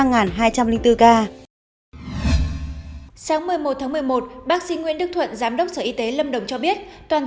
sáng một mươi một tháng một mươi một bác sĩ nguyễn đức thuận giám đốc sở y tế lâm đồng cho biết toàn